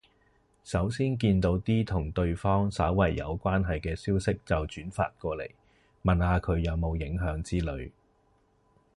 首先見到啲同對方稍為有關係嘅消息就轉發過嚟，問下佢有冇影響之類